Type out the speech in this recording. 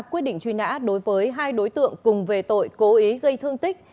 quyết định truy nã đối với hai đối tượng cùng về tội cố ý gây thương tích